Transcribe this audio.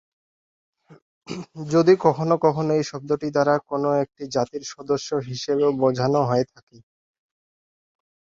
যদিও কখনো কখনো এই শব্দটি দ্বারা কোনো একটি জাতির সদস্য হিসেবেও বোঝানো হয়ে থাকে।